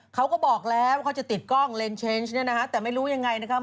เขาก็บอกแล้วว่าเขาจะติดกล้องเลนช์เชนจ์แต่ไม่รู้ยังไงนะคะ